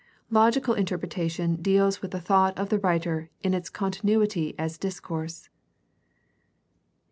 Logical interpretation deals with the thought of the writer in its continuity as discourse.